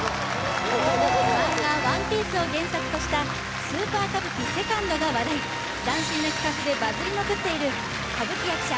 マンガ「ワンピース」を原作としたスーパー歌舞伎Ⅱが話題斬新な企画でバズりまくっている歌舞伎役者